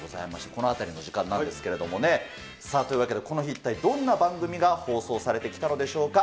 このあたりの時間なんですけれどもね。というわけで、この日、一体、どんな番組が放送されてきたのでしょうか。